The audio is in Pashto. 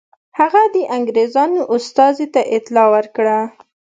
هغه د انګرېزانو استازي ته اطلاع ورکړه.